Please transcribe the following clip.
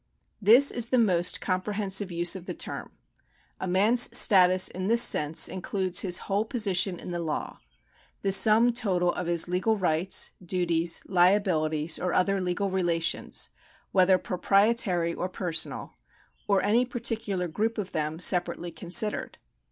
This is the most comprehensive use of the term. A man's status in this sense includes his whole position in the law — the sum total of his legal rights, duties, liabilities, or other legal relations, whether pro prietary or personal, or any particular group of them separately considered.